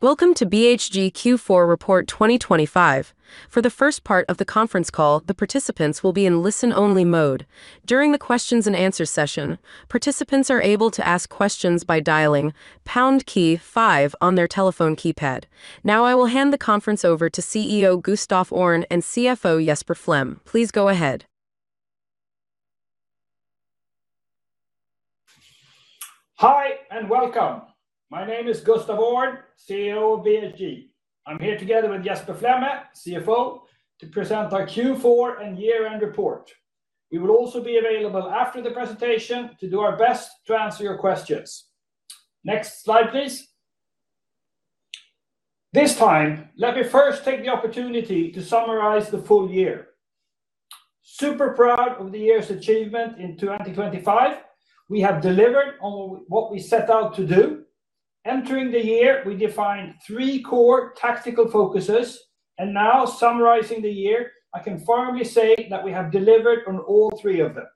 Welcome to BHG Q4 Report 2025. For the first part of the conference call, the participants will be in listen-only mode. During the questions and answer session, participants are able to ask questions by dialing pound key five on their telephone keypad. Now, I will hand the conference over to CEO, Gustaf Öhrn, and CFO, Jesper Flemme. Please go ahead. Hi, and welcome. My name is Gustaf Öhrn, CEO of BHG. I'm here together with Jesper Flemme, CFO, to present our Q4 and year-end report. We will also be available after the presentation to do our best to answer your questions. Next slide, please. This time, let me first take the opportunity to summarize the full year. Super proud of the year's achievement in 2025. We have delivered on what we set out to do. Entering the year, we defined three core tactical focuses, and now summarizing the year, I can firmly say that we have delivered on all three of them.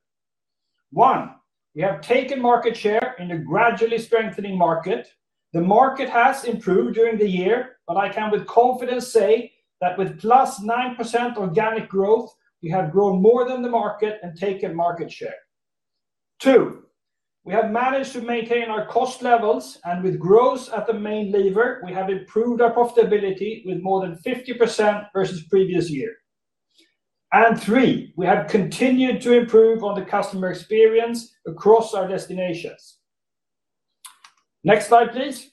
One, we have taken market share in a gradually strengthening market. The market has improved during the year, but I can with confidence say that with +9% organic growth, we have grown more than the market and taken market share. 2, we have managed to maintain our cost levels, and with growth as the main lever, we have improved our profitability with more than 50% versus previous year. 3, we have continued to improve on the customer experience across our destinations. Next slide, please.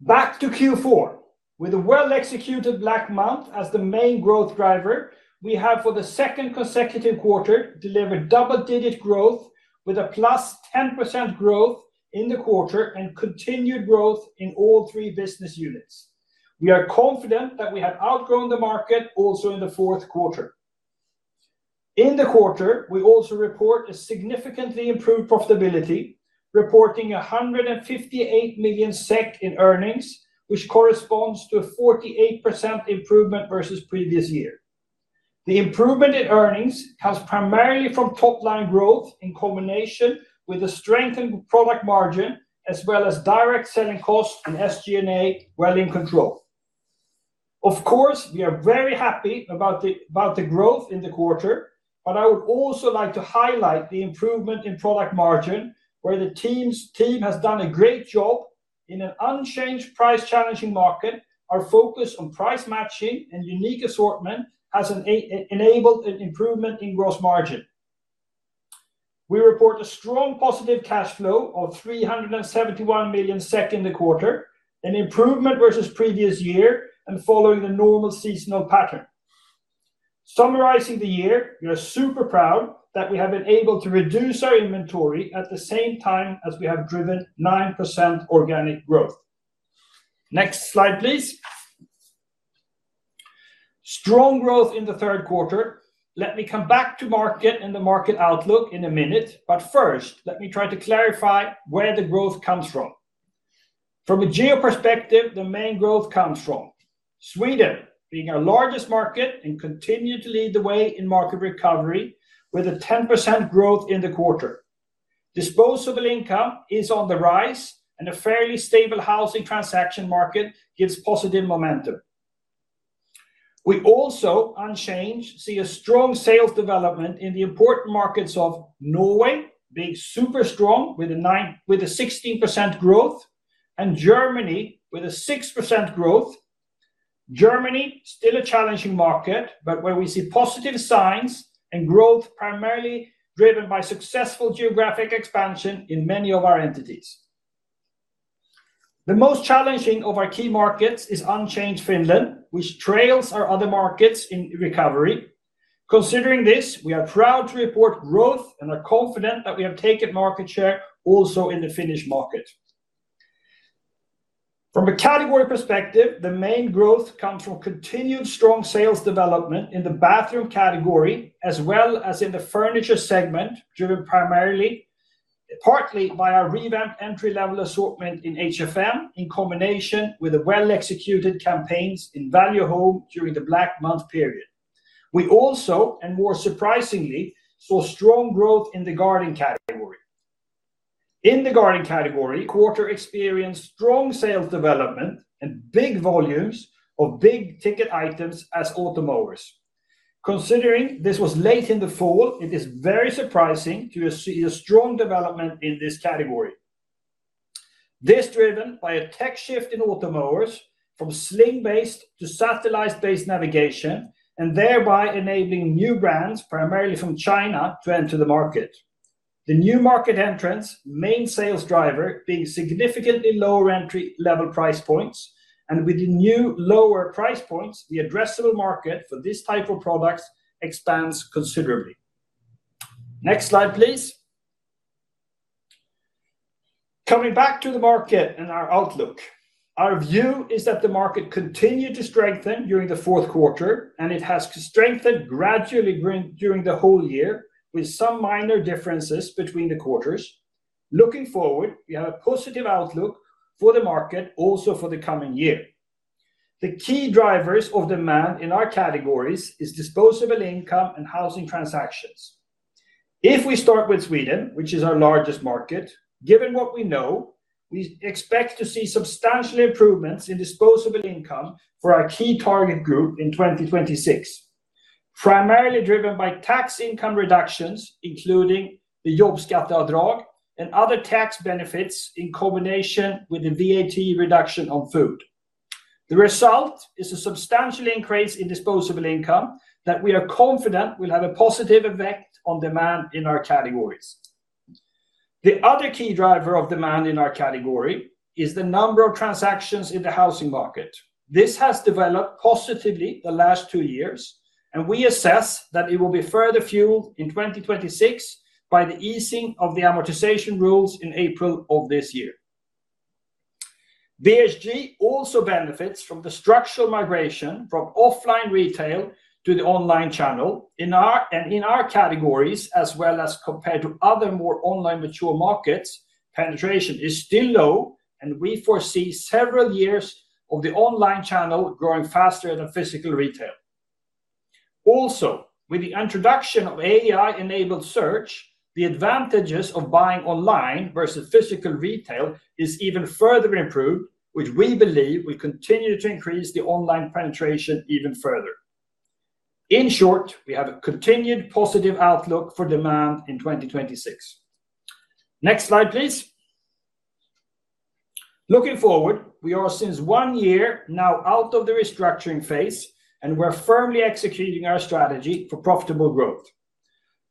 Back to Q4. With a well-executed Black Month as the main growth driver, we have, for the second consecutive quarter, delivered double-digit growth with a +10% growth in the quarter and continued growth in all three business units. We are confident that we have outgrown the market also in the fourth quarter. In the quarter, we also report a significantly improved profitability, reporting 158 million SEK in earnings, which corresponds to a 48% improvement versus previous year. The improvement in earnings comes primarily from top-line growth in combination with a strengthened product margin, as well as direct selling costs and SG&A well in control. Of course, we are very happy about the growth in the quarter, but I would also like to highlight the improvement in product margin, where the team has done a great job in an unchanged, price-challenging market. Our focus on price matching and unique assortment has enabled an improvement in gross margin. We report a strong positive cash flow of 371 million SEK in the quarter, an improvement versus previous year and following the normal seasonal pattern. Summarizing the year, we are super proud that we have been able to reduce our inventory at the same time as we have driven 9% organic growth. Next slide, please. Strong growth in the third quarter. Let me come back to market and the market outlook in a minute, but first, let me try to clarify where the growth comes from. From a geo perspective, the main growth comes from Sweden, being our largest market and continue to lead the way in market recovery with a 10% growth in the quarter. Disposable income is on the rise, and a fairly stable housing transaction market gives positive momentum. We also, unchanged, see a strong sales development in the important markets of Norway, being super strong with a 16% growth, and Germany with a 6% growth. Germany, still a challenging market, but where we see positive signs and growth primarily driven by successful geographic expansion in many of our entities. The most challenging of our key markets is unchanged Finland, which trails our other markets in recovery. Considering this, we are proud to report growth and are confident that we have taken market share also in the Finnish market. From a category perspective, the main growth comes from continued strong sales development in the bathroom category, as well as in the furniture segment, driven primarily, partly by our revamped entry-level assortment in HFN, in combination with the well-executed campaigns in Value Home during the Black Month period. We also, and more surprisingly, saw strong growth in the garden category. In the garden category, quarter experienced strong sales development and big volumes of big-ticket items as Automowers. Considering this was late in the fall, it is very surprising to see a strong development in this category. This, driven by a tech shift in Automowers from sling-based to satellite-based navigation, and thereby enabling new brands, primarily from China, to enter the market. The new market entrants' main sales driver being significantly lower entry-level price points, and with the new lower price points, the addressable market for these type of products expands considerably. Next slide, please. Coming back to the market and our outlook, our view is that the market continued to strengthen during the fourth quarter, and it has strengthened gradually during the whole year, with some minor differences between the quarters. Looking forward, we have a positive outlook for the market also for the coming year.... The key drivers of demand in our categories is disposable income and housing transactions. If we start with Sweden, which is our largest market, given what we know, we expect to see substantial improvements in disposable income for our key target group in 2026, primarily driven by tax income reductions, including the Jobbskatteavdrag and other tax benefits in combination with the VAT reduction on food. The result is a substantial increase in disposable income that we are confident will have a positive effect on demand in our categories. The other key driver of demand in our category is the number of transactions in the housing market. This has developed positively the last two years, and we assess that it will be further fueled in 2026 by the easing of the amortization rules in April of this year. BHG also benefits from the structural migration from offline retail to the online channel. In our categories, as well as compared to other more online mature markets, penetration is still low, and we foresee several years of the online channel growing faster than physical retail. Also, with the introduction of AI-enabled search, the advantages of buying online versus physical retail is even further improved, which we believe will continue to increase the online penetration even further. In short, we have a continued positive outlook for demand in 2026. Next slide, please. Looking forward, we are since one year now out of the restructuring phase, and we're firmly executing our strategy for profitable growth.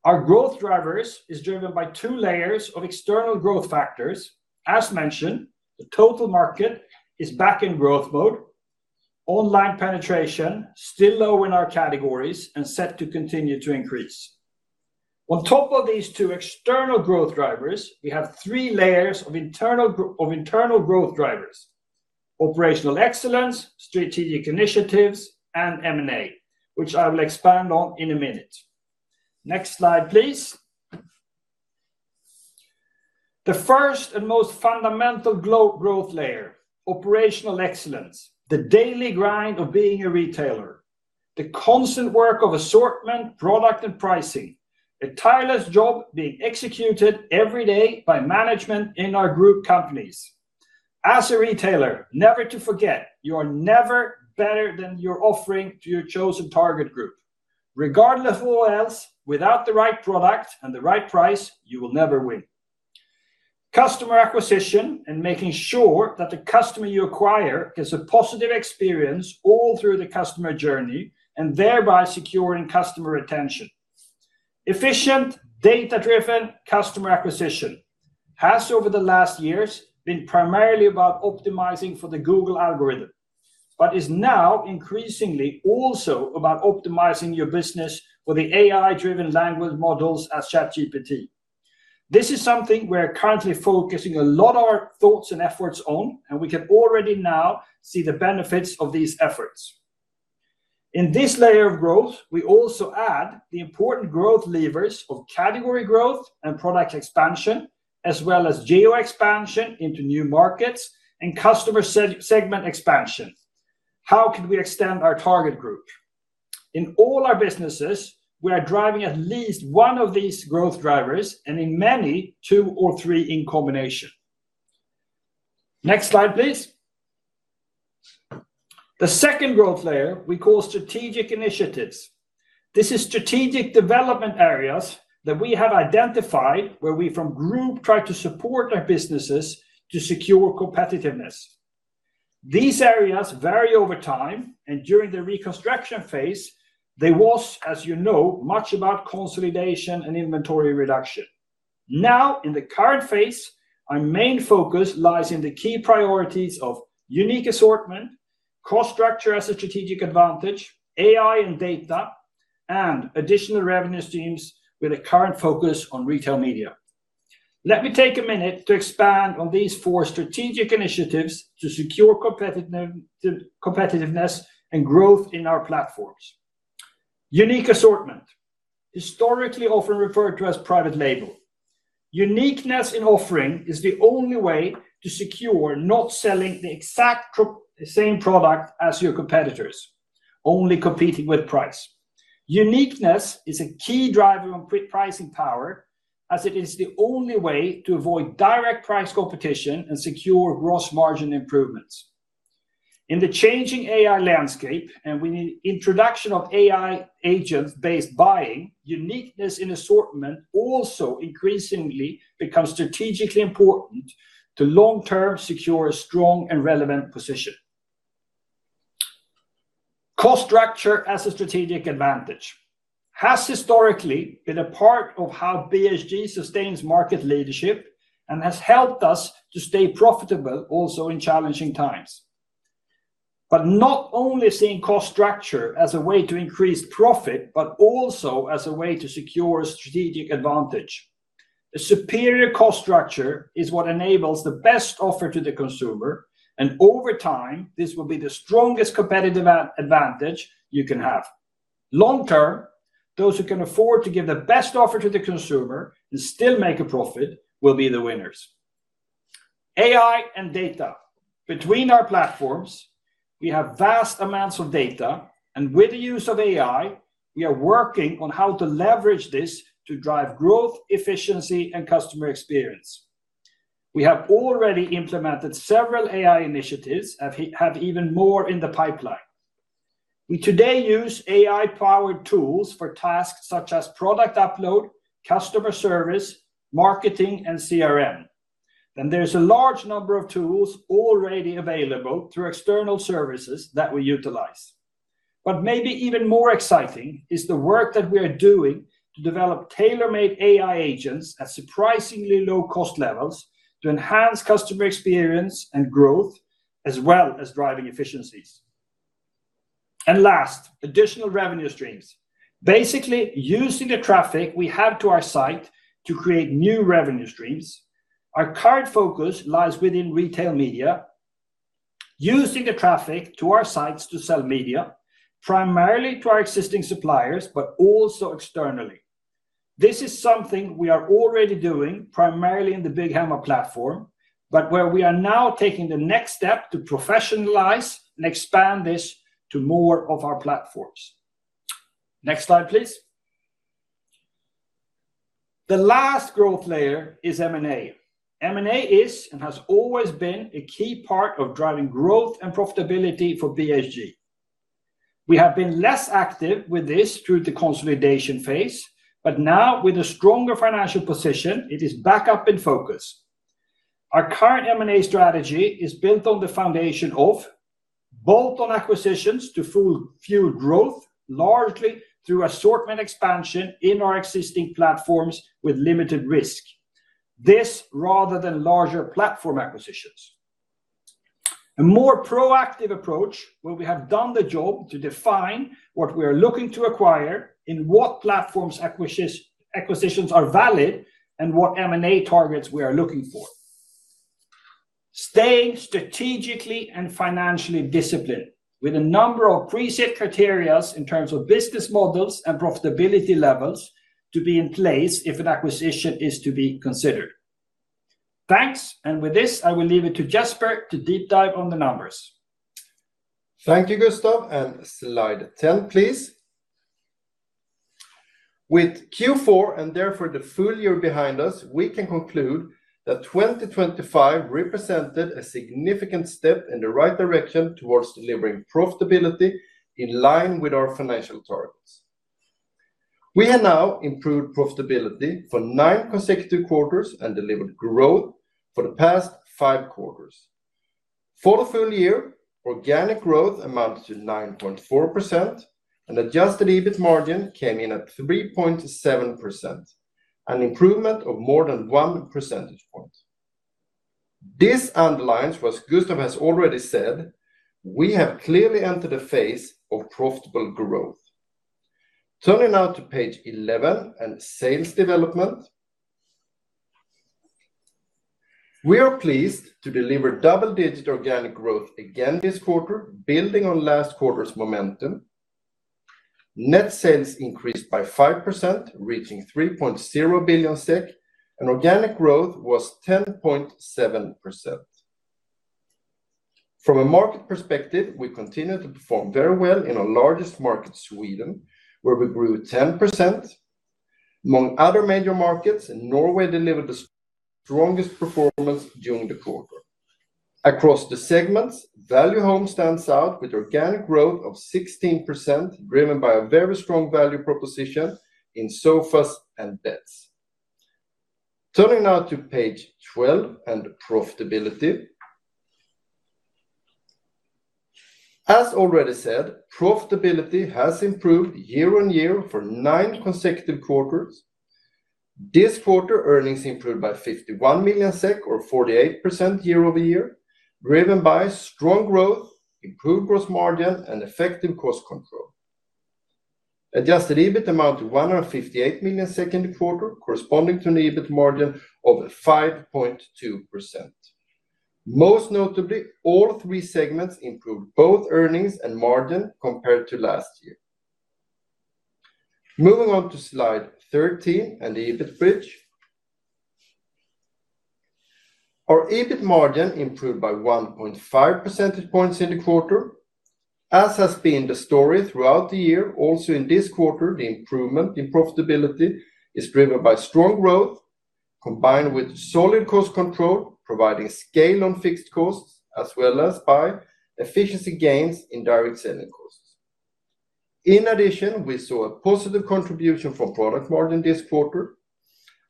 Our growth drivers is driven by two layers of external growth factors. As mentioned, the total market is back in growth mode, online penetration still low in our categories and set to continue to increase. On top of these two external growth drivers, we have three layers of internal growth drivers: operational excellence, strategic initiatives, and M&A, which I will expand on in a minute. Next slide, please. The first and most fundamental growth layer, operational excellence, the daily grind of being a retailer, the constant work of assortment, product, and pricing, a tireless job being executed every day by management in our group companies. As a retailer, never to forget, you are never better than your offering to your chosen target group. Regardless of all else, without the right product and the right price, you will never win. Customer acquisition and making sure that the customer you acquire gets a positive experience all through the customer journey, and thereby securing customer retention. Efficient, data-driven customer acquisition has, over the last years, been primarily about optimizing for the Google algorithm, but is now increasingly also about optimizing your business for the AI-driven language models as ChatGPT. This is something we're currently focusing a lot of our thoughts and efforts on, and we can already now see the benefits of these efforts. In this layer of growth, we also add the important growth levers of category growth and product expansion, as well as geo expansion into new markets and customer segment expansion. How can we extend our target group? In all our businesses, we are driving at least one of these growth drivers, and in many, two or three in combination. Next slide, please. The second growth layer we call strategic initiatives. This is strategic development areas that we have identified where we from group try to support our businesses to secure competitiveness. These areas vary over time, and during the reconstruction phase, there was, as you know, much about consolidation and inventory reduction. Now, in the current phase, our main focus lies in the key priorities of unique assortment, cost structure as a strategic advantage, AI and data, and additional revenue streams with a current focus on retail media. Let me take a minute to expand on these four strategic initiatives to secure competitiveness and growth in our platforms. Unique assortment, historically often referred to as private label. Uniqueness in offering is the only way to secure not selling the exact same product as your competitors, only competing with price. Uniqueness is a key driver on pricing power, as it is the only way to avoid direct price competition and secure gross margin improvements. In the changing AI landscape, and with the introduction of AI agent-based buying, uniqueness in assortment also increasingly becomes strategically important to long term secure a strong and relevant position. Cost structure as a strategic advantage has historically been a part of how BHG sustains market leadership and has helped us to stay profitable also in challenging times. But not only seeing cost structure as a way to increase profit, but also as a way to secure strategic advantage. A superior cost structure is what enables the best offer to the consumer, and over time, this will be the strongest competitive advantage you can have. Long term, those who can afford to give the best offer to the consumer and still make a profit will be the winners.... AI and data. Between our platforms, we have vast amounts of data, and with the use of AI, we are working on how to leverage this to drive growth, efficiency, and customer experience. We have already implemented several AI initiatives and have even more in the pipeline. We today use AI-powered tools for tasks such as product upload, customer service, marketing, and CRM. Then there's a large number of tools already available through external services that we utilize. But maybe even more exciting is the work that we are doing to develop tailor-made AI agents at surprisingly low cost levels to enhance customer experience and growth, as well as driving efficiencies. And last, additional revenue streams. Basically, using the traffic we have to our site to create new revenue streams, our current focus lies within retail media, using the traffic to our sites to sell media, primarily to our existing suppliers, but also externally. This is something we are already doing, primarily in the Bygghemma platform, but where we are now taking the next step to professionalize and expand this to more of our platforms. Next slide, please. The last growth layer is M&A. M&A is, and has always been, a key part of driving growth and profitability for BHG. We have been less active with this through the consolidation phase, but now, with a stronger financial position, it is back up in focus. Our current M&A strategy is built on the foundation of bolt-on acquisitions to fuel, fuel growth, largely through assortment expansion in our existing platforms with limited risk. This, rather than larger platform acquisitions. A more proactive approach, where we have done the job to define what we are looking to acquire, in what platforms acquisitions, acquisitions are valid, and what M&A targets we are looking for. Staying strategically and financially disciplined with a number of preset criteria in terms of business models and profitability levels to be in place if an acquisition is to be considered. Thanks, and with this, I will leave it to Jesper to deep dive on the numbers. Thank you, Gustaf, and slide 10, please. With Q4, and therefore the full year behind us, we can conclude that 2025 represented a significant step in the right direction towards delivering profitability in line with our financial targets. We have now improved profitability for nine consecutive quarters and delivered growth for the past five quarters. For the full year, organic growth amounted to 9.4%, and adjusted EBIT margin came in at 3.7%, an improvement of more than one percentage point. This underlines what Gustaf has already said, we have clearly entered a phase of profitable growth. Turning now to page 11 and sales development. We are pleased to deliver double-digit organic growth again this quarter, building on last quarter's momentum. Net sales increased by 5%, reaching 3.0 billion, and organic growth was 10.7%. From a market perspective, we continue to perform very well in our largest market, Sweden, where we grew 10%. Among other major markets, and Norway delivered the strongest performance during the quarter. Across the segments, Value Home stands out with organic growth of 16%, driven by a very strong value proposition in sofas and beds. Turning now to page 12 and profitability. As already said, profitability has improved year-over-year for nine consecutive quarters. This quarter, earnings improved by 51 million SEK, or 48% year-over-year, driven by strong growth, improved gross margin, and effective cost control. Adjusted EBIT amount to 158 million in the quarter, corresponding to an EBIT margin of 5.2%. Most notably, all three segments improved both earnings and margin compared to last year. Moving on to slide 13 and the EBIT bridge. Our EBIT margin improved by 1.5 percentage points in the quarter. As has been the story throughout the year, also in this quarter, the improvement in profitability is driven by strong growth, combined with solid cost control, providing scale on fixed costs, as well as by efficiency gains in direct selling costs. In addition, we saw a positive contribution from product margin this quarter.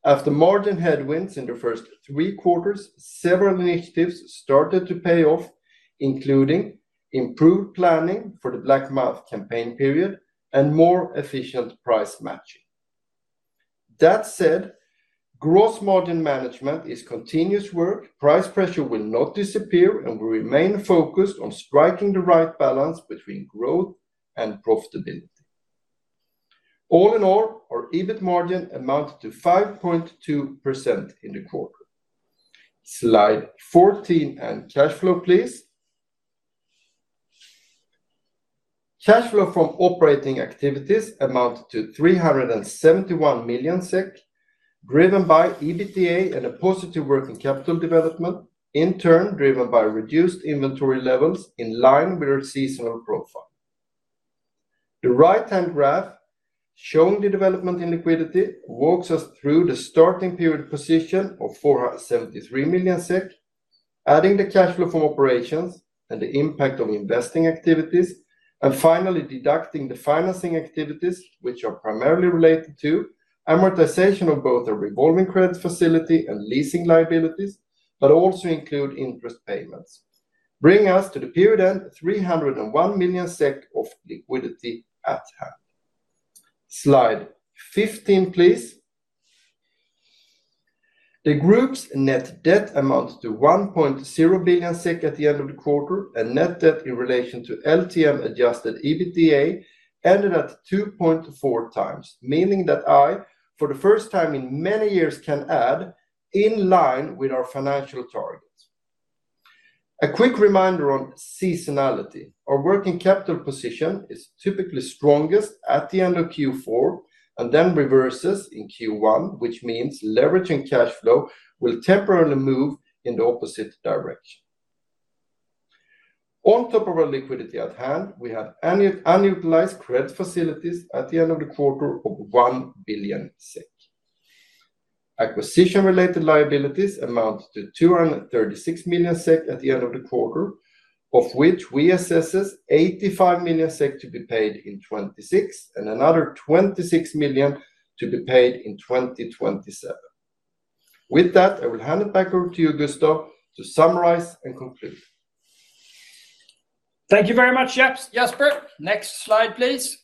After margin headwinds in the first three quarters, several initiatives started to pay off, including improved planning for the Black Month campaign period and more efficient price matching. That said, gross margin management is continuous work. Price pressure will not disappear, and we remain focused on striking the right balance between growth and profitability. All in all, our EBIT margin amounted to 5.2% in the quarter. Slide 14 and cash flow, please. Cash flow from operating activities amounted to 371 million SEK, driven by EBITDA and a positive working capital development, in turn driven by reduced inventory levels in line with our seasonal profile. The right-hand graph, showing the development in liquidity, walks us through the starting period position of 473 million SEK, adding the cash flow from operations and the impact of investing activities, and finally deducting the financing activities, which are primarily related to amortization of both the revolving credit facility and leasing liabilities, but also include interest payments, bringing us to the period end, 301 million SEK of liquidity at hand. Slide 15, please. The group's net debt amounts to 1.0 billion SEK at the end of the quarter, and net debt in relation to LTM adjusted EBITDA ended at 2.4 times, meaning that I, for the first time in many years, can add in line with our financial targets. A quick reminder on seasonality. Our working capital position is typically strongest at the end of Q4, and then reverses in Q1, which means leverage and cash flow will temporarily move in the opposite direction. On top of our liquidity at hand, we have unutilized credit facilities at the end of the quarter of 1 billion SEK. Acquisition-related liabilities amount to 236 million SEK at the end of the quarter, of which we assess 85 million SEK to be paid in 2026, and another 26 million to be paid in 2027. With that, I will hand it back over to you, Gustaf, to summarize and conclude. Thank you very much, Jesper. Next slide, please.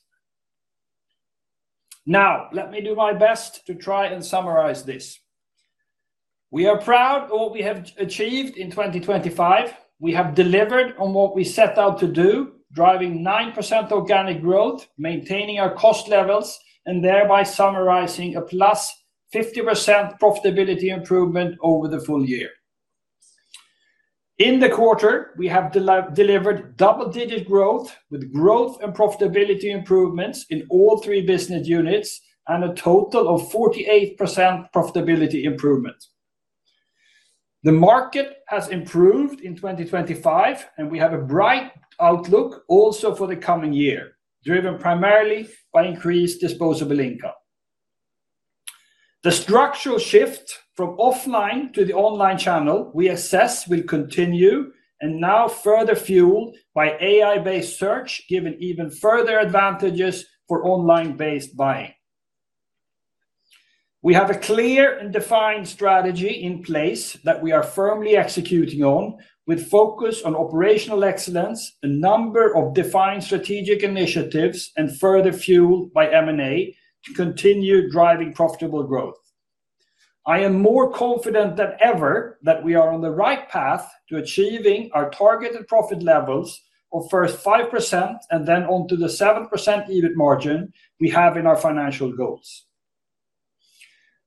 Now, let me do my best to try and summarize this. We are proud of what we have achieved in 2025. We have delivered on what we set out to do, driving 9% organic growth, maintaining our cost levels, and thereby summarizing a +50% profitability improvement over the full year. In the quarter, we have delivered double-digit growth, with growth and profitability improvements in all three business units, and a total of 48% profitability improvement. The market has improved in 2025, and we have a bright outlook also for the coming year, driven primarily by increased disposable income. The structural shift from offline to the online channel, we assess will continue, and now further fueled by AI-based search, giving even further advantages for online-based buying. We have a clear and defined strategy in place that we are firmly executing on, with focus on operational excellence, a number of defined strategic initiatives, and further fueled by M&A to continue driving profitable growth. I am more confident than ever that we are on the right path to achieving our targeted profit levels of first 5%, and then on to the 7% EBIT margin we have in our financial goals.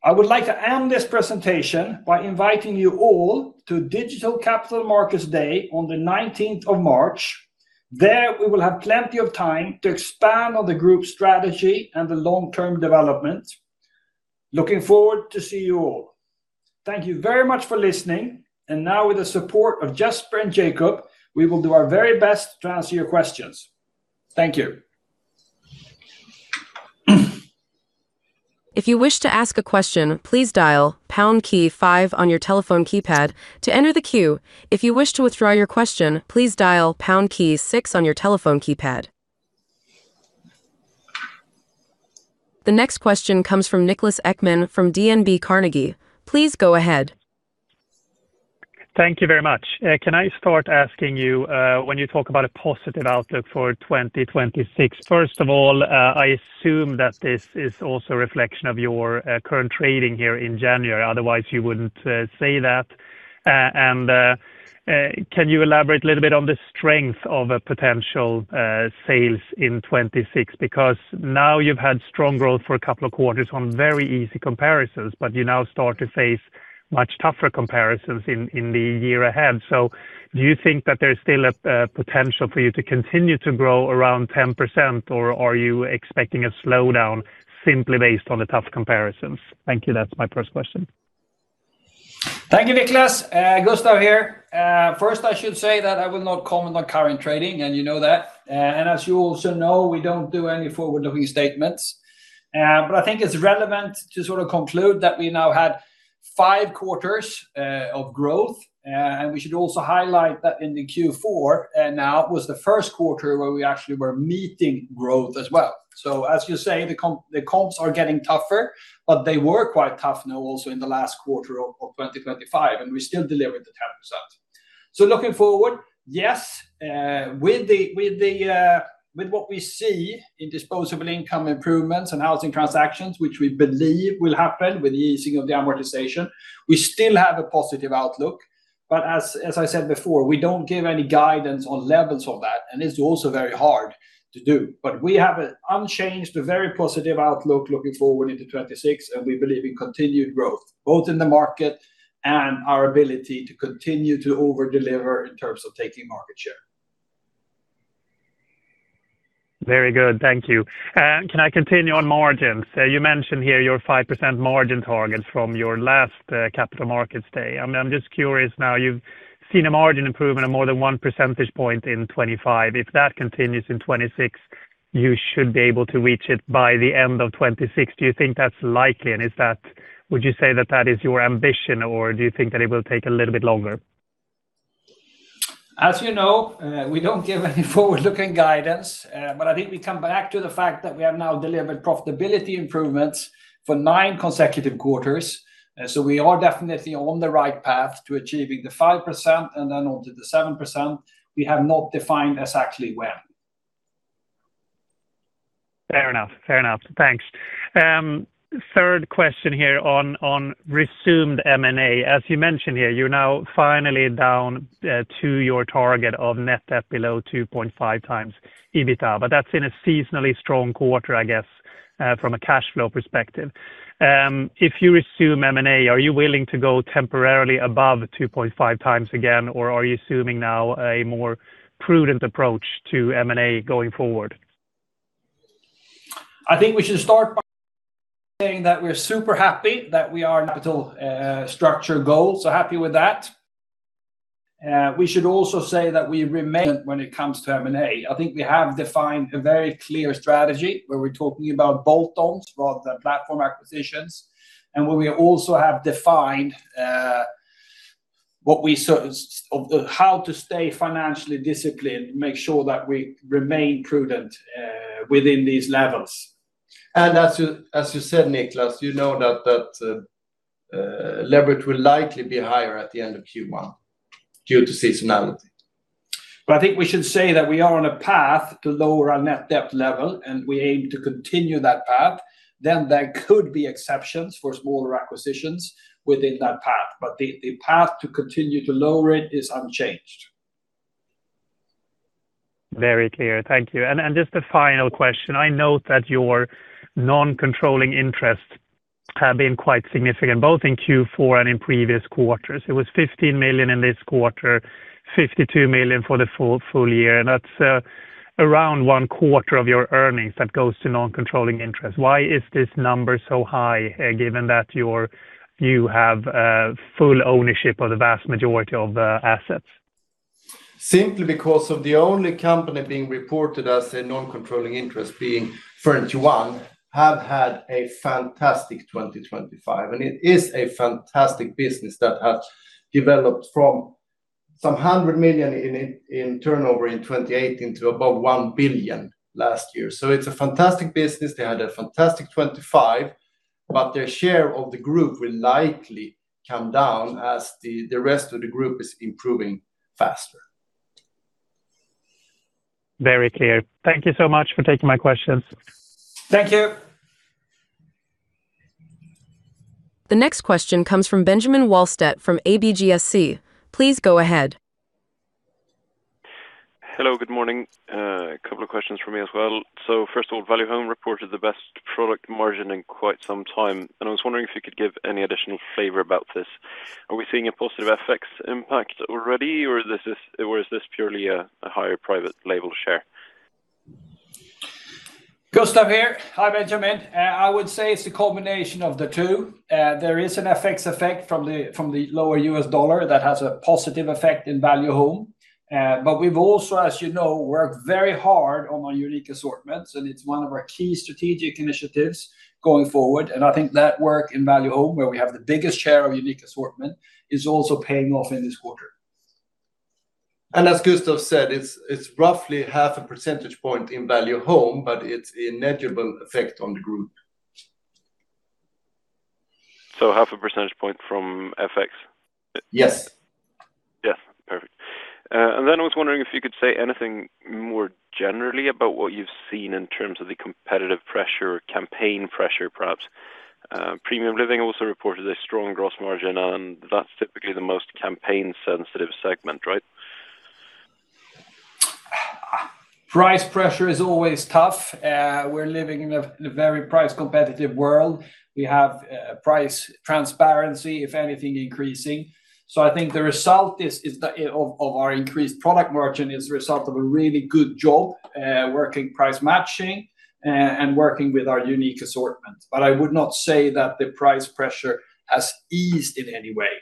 I would like to end this presentation by inviting you all to Digital Capital Markets Day on the nineteenth of March. There, we will have plenty of time to expand on the group's strategy and the long-term development. Looking forward to see you all. Thank you very much for listening, and now with the support of Jesper and Jakob, we will do our very best to answer your questions. Thank you. If you wish to ask a question, please dial pound key five on your telephone keypad to enter the queue. If you wish to withdraw your question, please dial pound key six on your telephone keypad. The next question comes from Niklas Ekman from DNB Carnegie. Please go ahead. Thank you very much. Can I start asking you when you talk about a positive outlook for 2026, first of all, I assume that this is also a reflection of your current trading here in January, otherwise you wouldn't say that. Can you elaborate a little bit on the strength of a potential sales in 2026? Because now you've had strong growth for a couple of quarters on very easy comparisons, but you now start to face much tougher comparisons in the year ahead. So do you think that there's still a potential for you to continue to grow around 10%, or are you expecting a slowdown simply based on the tough comparisons? Thank you. That's my first question. Thank you, Niklas. Gustaf here. First, I should say that I will not comment on current trading, and you know that. As you also know, we don't do any forward-looking statements. I think it's relevant to sort of conclude that we now had five quarters of growth, and we should also highlight that in the Q4, and now it was the first quarter where we actually were meeting growth as well. As you say, the comps are getting tougher, but they were quite tough now also in the last quarter of 2025, and we still delivered the 10%. Looking forward, yes, with what we see in disposable income improvements and housing transactions, which we believe will happen with the easing of the amortization, we still have a positive outlook. But as I said before, we don't give any guidance on levels of that, and it's also very hard to do. But we have an unchanged, very positive outlook looking forward into 2026, and we believe in continued growth, both in the market and our ability to continue to overdeliver in terms of taking market share. Very good, thank you. Can I continue on margins? So you mentioned here your 5% margin target from your last capital markets day. I'm just curious now, you've seen a margin improvement of more than one percentage point in 2025. If that continues in 2026, you should be able to reach it by the end of 2026. Do you think that's likely? And is that - would you say that that is your ambition, or do you think that it will take a little bit longer? As you know, we don't give any forward-looking guidance, but I think we come back to the fact that we have now delivered profitability improvements for nine consecutive quarters. So we are definitely on the right path to achieving the 5% and then on to the 7%. We have not defined as actually when. Fair enough. Fair enough. Thanks. Third question here on resumed M&A. As you mentioned here, you're now finally down to your target of net debt below 2.5 times EBITDA, but that's in a seasonally strong quarter, I guess, from a cash flow perspective. If you resume M&A, are you willing to go temporarily above 2.5 times again, or are you assuming now a more prudent approach to M&A going forward? I think we should start by saying that we're super happy that we are capital structure goal, so happy with that. We should also say that we remain when it comes to M&A. I think we have defined a very clear strategy where we're talking about add-on, rather than platform acquisitions, and where we also have defined what we sort of how to stay financially disciplined, make sure that we remain prudent within these levels. As you said, Nicholas, you know, that leverage will likely be higher at the end of Q1 due to seasonality. I think we should say that we are on a path to lower our net debt level, and we aim to continue that path. Then there could be exceptions for smaller acquisitions within that path, but the path to continue to lower it is unchanged. Very clear. Thank you. Just a final question. I note that your non-controlling interests have been quite significant, both in Q4 and in previous quarters. It was 15 million in this quarter, 52 million for the full year, and that's around one quarter of your earnings that goes to non-controlling interest. Why is this number so high, given that you have full ownership of the vast majority of the assets? Simply because of the only company being reported as a non-controlling interest, being Furniture1, have had a fantastic 2025, and it is a fantastic business that has developed from some 100 million in turnover in 2018 to above 1 billion last year. So it's a fantastic business. They had a fantastic 25, but their share of the group will likely come down as the rest of the group is improving faster. Very clear. Thank you so much for taking my questions. Thank you. The next question comes from Benjamin Wahlstedt, from ABGSC. Please go ahead. Hello, good morning. A couple of questions from me as well. So first of all, Value Home reported the best product margin in quite some time, and I was wondering if you could give any additional flavor about this. Are we seeing a positive FX impact already, or is this purely a higher private label share? Gustaf here. Hi, Benjamin. I would say it's a combination of the two. There is an FX effect from the lower U.S. dollar that has a positive effect in Value Home. But we've also, as you know, worked very hard on our unique assortments, and it's one of our key strategic initiatives going forward. And I think that work in Value Home, where we have the biggest share of unique assortment, is also paying off in this quarter. As Gustav said, it's roughly 0.5 percentage points in Value Home, but it's a negligible effect on the group. 0.5 percentage point from FX? Yes. Yes. Yes, perfect. And then I was wondering if you could say anything more generally about what you've seen in terms of the competitive pressure, campaign pressure, perhaps. Premium Living also reported a strong gross margin, and that's typically the most campaign-sensitive segment, right? Price pressure is always tough. We're living in a very price competitive world. We have price transparency, if anything increasing. So I think the result is of our increased product margin is a result of a really good job working price matching and working with our unique assortment. But I would not say that the price pressure has eased in any way.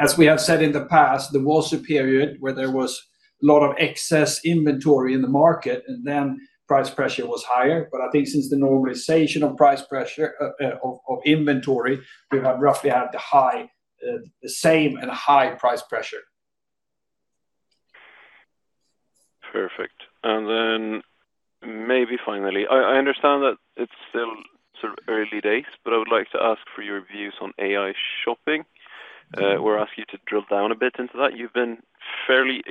As we have said in the past, there was a period where there was a lot of excess inventory in the market, and then price pressure was higher. But I think since the normalization of price pressure of inventory, we have roughly had the high, the same and high price pressure. Perfect. And then maybe finally, I understand that it's still sort of early days, but I would like to ask for your views on AI shopping. We're asking you to drill down a bit into that. You've been fairly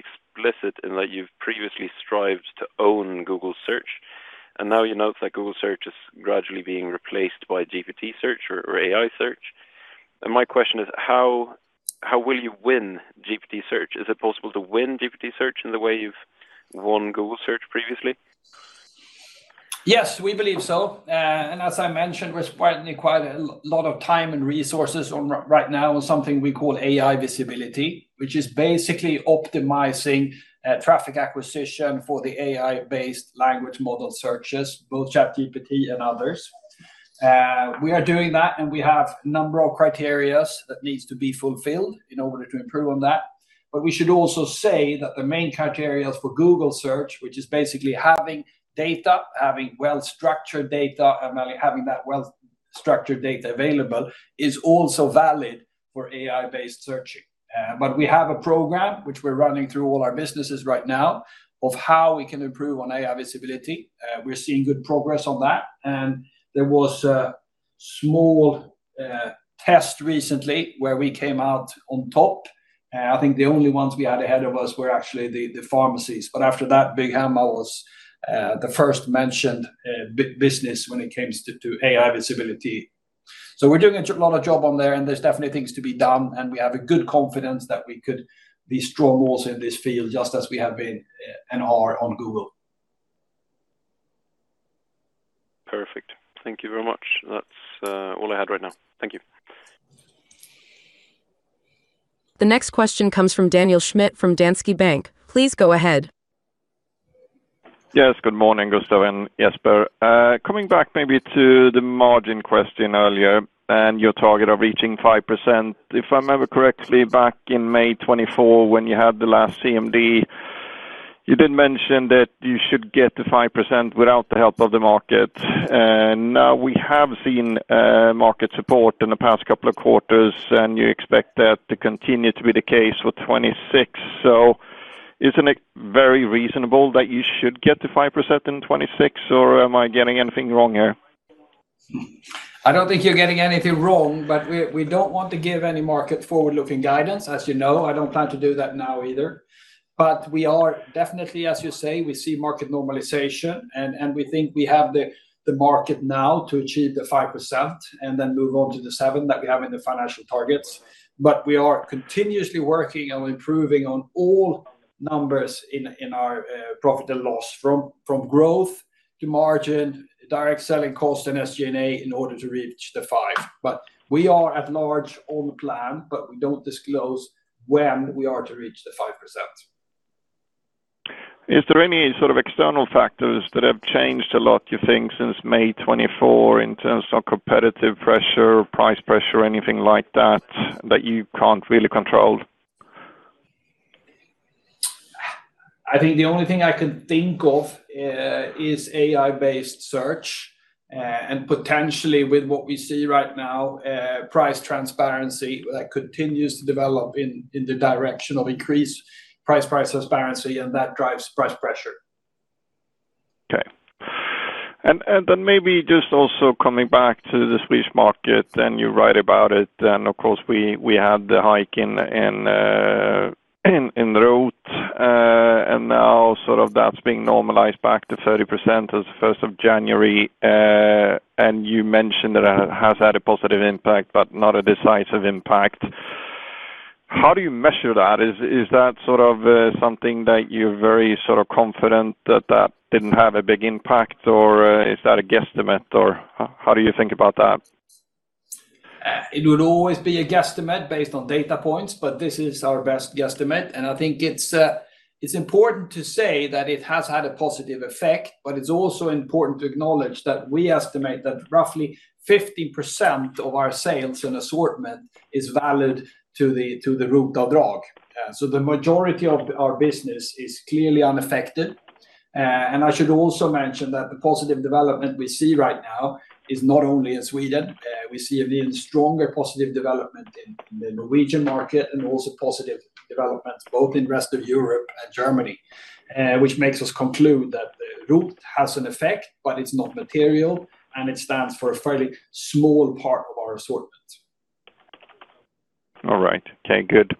explicit in that you've previously strived to own Google Search, and now you note that Google Search is gradually being replaced by GPT Search or AI Search. And my question is: How will you win GPT Search? Is it possible to win GPT Search in the way you've won Google Search previously? Yes, we believe so. And as I mentioned, we're spending quite a lot of time and resources on right now on something we call AI visibility, which is basically optimizing traffic acquisition for the AI-based language model searches, both ChatGPT and others. We are doing that, and we have a number of criterias that needs to be fulfilled in order to improve on that. But we should also say that the main criterias for Google Search, which is basically having data, having well-structured data, and having that well-structured data available, is also valid for AI-based searching. But we have a program which we're running through all our businesses right now of how we can improve on AI visibility. We're seeing good progress on that, and there was a small test recently where we came out on top. I think the only ones we had ahead of us were actually the pharmacies, but after that, Bygghemma was the first mentioned business when it comes to AI visibility. So we're doing a lot of job on there, and there's definitely things to be done, and we have a good confidence that we could be strong also in this field, just as we have been and are on Google. Perfect. Thank you very much. That's all I had right now. Thank you. The next question comes from Daniel Schmidt from Danske Bank. Please go ahead. Yes, good morning, Gustaf and Jesper. Coming back maybe to the margin question earlier and your target of reaching 5%. If I remember correctly, back in May 2024, when you had the last CMD, you did mention that you should get to 5% without the help of the market, and now we have seen market support in the past couple of quarters, and you expect that to continue to be the case for 2026. So isn't it very reasonable that you should get to 5% in 2026, or am I getting anything wrong here? I don't think you're getting anything wrong, but we don't want to give any market forward-looking guidance, as you know. I don't plan to do that now either. But we are definitely, as you say, we see market normalization, and we think we have the market now to achieve the 5% and then move on to the 7 that we have in the financial targets. But we are continuously working on improving on all numbers in our profit and loss, from growth to margin, direct selling cost and SG&A in order to reach the 5%. But we are at large on the plan, but we don't disclose when we are to reach the 5%. Is there any sort of external factors that have changed a lot, you think, since May 2024, in terms of competitive pressure or price pressure, anything like that, that you can't really control? I think the only thing I can think of is AI-based search, and potentially with what we see right now, price transparency that continues to develop in the direction of increased price transparency, and that drives price pressure. Okay. And then maybe just also coming back to the Swedish market, and you write about it, and of course, we had the hike in ROT. And now sort of that's being normalized back to 30% as of first of January. And you mentioned that it has had a positive impact, but not a decisive impact. How do you measure that? Is that sort of something that you're very sort of confident that that didn't have a big impact, or is that a guesstimate, or how do you think about that? It would always be a guesstimate based on data points, but this is our best guesstimate, and I think it's important to say that it has had a positive effect, but it's also important to acknowledge that we estimate that roughly 50% of our sales and assortment is valid to the ROT-avdrag. So the majority of our business is clearly unaffected. And I should also mention that the positive development we see right now is not only in Sweden. We see an even stronger positive development in the Norwegian market and also positive developments both in rest of Europe and Germany, which makes us conclude that the ROT has an effect, but it's not material, and it stands for a fairly small part of our assortment. All right. Okay, good.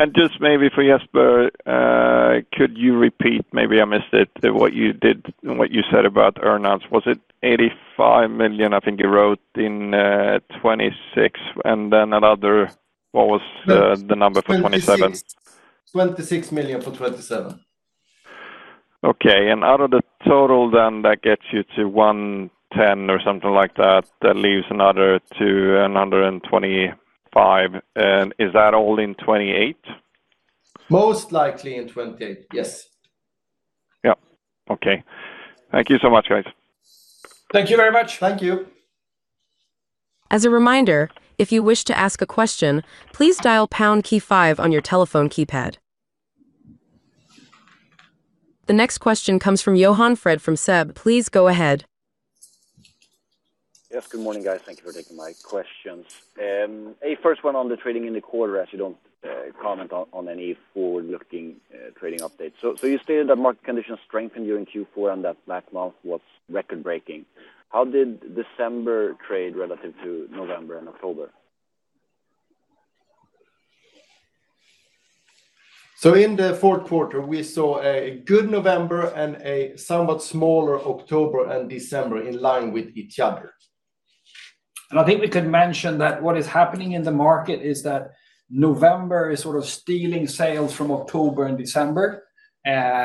And just maybe for Jesper, could you repeat, maybe I missed it, what you did, what you said about earnings? Was it 85 million, I think you wrote in 2026, and then another... What was the number for 2027? 26 million for 2027. Okay. And out of the total, then, that gets you to 110 or something like that. That leaves another 225. And is that all in 2028? Most likely in 2028, yes. Yeah. Okay. Thank you so much, guys. Thank you very much. Thank you. As a reminder, if you wish to ask a question, please dial pound key five on your telephone keypad. The next question comes from Johan Fred from SEB. Please go ahead. Yes, good morning, guys. Thank you for taking my questions. A first one on the trading in the quarter, as you don't comment on any forward-looking trading updates. So you stated that market conditions strengthened during Q4 and that last month was record-breaking. How did December trade relative to November and October? In the fourth quarter, we saw a good November and a somewhat smaller October and December in line with each other. I think we could mention that what is happening in the market is that November is sort of stealing sales from October and December,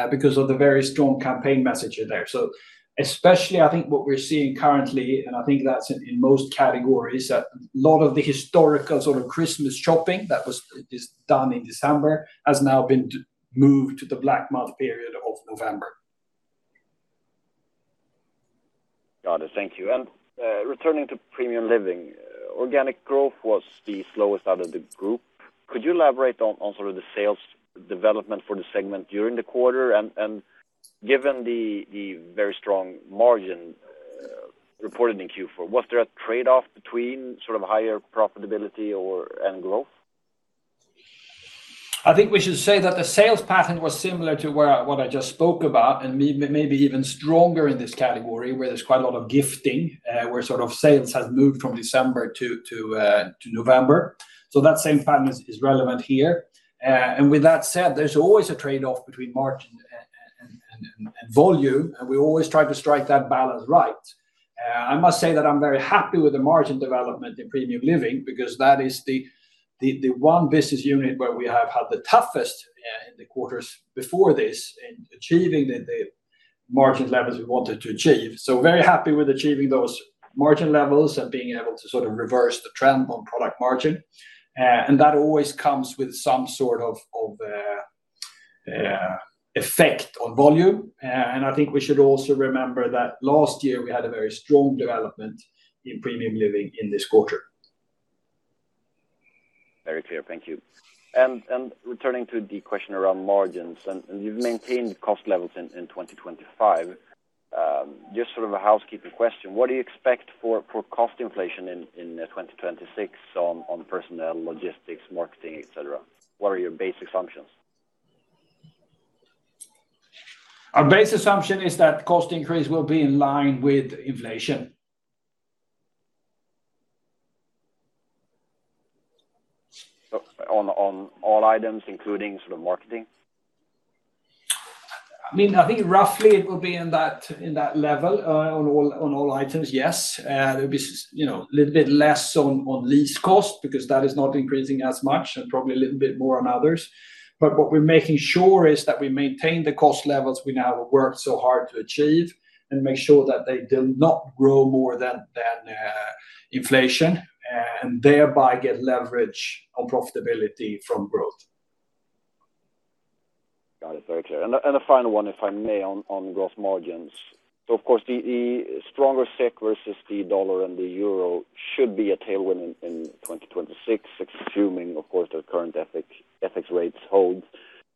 because of the very strong campaign message in there. So especially I think what we're seeing currently, and I think that's in most categories, that a lot of the historical sort of Christmas shopping that was done in December has now been moved to the Black Month period of November. Got it. Thank you. And, returning to Premium Living, organic growth was the slowest out of the group. Could you elaborate on sort of the sales development for the segment during the quarter? And, given the very strong margin reported in Q4, was there a trade-off between sort of higher profitability or, and growth? I think we should say that the sales pattern was similar to what I just spoke about, and maybe even stronger in this category, where there's quite a lot of gifting, where sort of sales has moved from December to November. So that same pattern is relevant here. And with that said, there's always a trade-off between margin and volume, and we always try to strike that balance right. I must say that I'm very happy with the margin development in Premium Living, because that is the one business unit where we have had the toughest in the quarters before this in achieving the margin levels we wanted to achieve. So very happy with achieving those margin levels and being able to sort of reverse the trend on product margin. That always comes with some sort of effect on volume. I think we should also remember that last year we had a very strong development in Premium Living in this quarter. Very clear. Thank you. And returning to the question around margins, and you've maintained cost levels in 2025. Just sort of a housekeeping question: What do you expect for cost inflation in 2026 on personnel, logistics, marketing, et cetera? What are your base assumptions? Our base assumption is that cost increase will be in line with inflation. So on all items, including sort of marketing? I mean, I think roughly it will be in that, in that level, on all, on all items, yes. There'll be you know, little bit less on, on lease cost, because that is not increasing as much, and probably a little bit more on others. But what we're making sure is that we maintain the cost levels we now have worked so hard to achieve, and make sure that they do not grow more than, inflation, and thereby get leverage on profitability from growth. Got it. Very clear. And a final one, if I may, on growth margins. So of course, the stronger SEK versus the dollar and the euro should be a tailwind in 2026, assuming, of course, the current FX rates hold.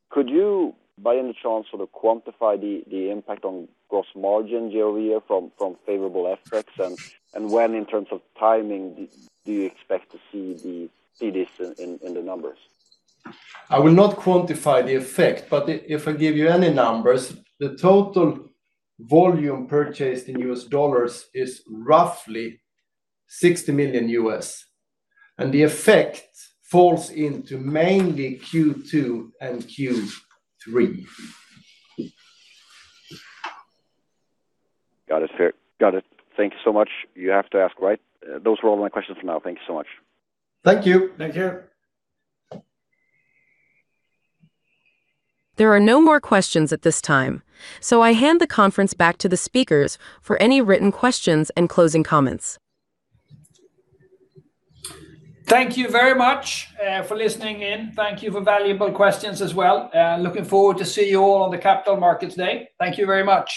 Could you, by any chance, sort of quantify the impact on gross margin year-over-year from favorable FX? And when, in terms of timing, do you expect to see this in the numbers? I will not quantify the effect, but if I give you any numbers, the total volume purchased in U.S. dollars is roughly $60 million, and the effect falls into mainly Q2 and Q3. Got it. Fair. Got it. Thank you so much. You have to ask, right? Those were all my questions for now. Thank you so much. Thank you. Thank you. There are no more questions at this time, so I hand the conference back to the speakers for any written questions and closing comments. Thank you very much, for listening in. Thank you for valuable questions as well. Looking forward to see you all on the Capital Markets Day. Thank you very much.